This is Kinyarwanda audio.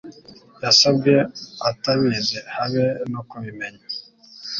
Yasabwe atabizi habe no kubimenya